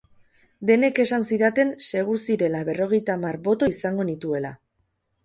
Denek esan zidaten segur zirela berrogeita hamar boto izango nituela.